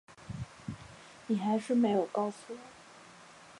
你还是没有告诉我